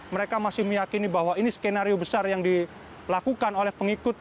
mereka masih meyakini bahwa ini skenario besar yang dilakukan oleh pengikut